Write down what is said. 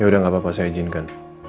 ya udah gak apa apa saya izinkan